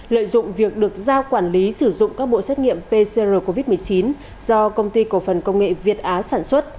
lợi dụng việc được giao quản lý sử dụng các bộ xét nghiệm pcr covid một mươi chín do công ty cổ phần công nghệ việt á sản xuất